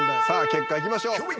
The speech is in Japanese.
さあ結果いきましょう。